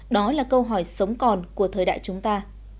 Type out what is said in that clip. đó là câu hỏi sống còn của thời đại chúng ta